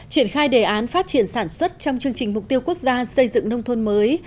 triển khai đề án phát triển sản xuất trong chương trình mục tiêu quốc gia xây dựng nông thôn mới